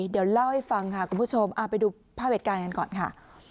เดี๋ยวเล่าให้ฟังค่ะคุณผู้ชมไปดูภาพเหตุการณ์กันก่อนค่ะ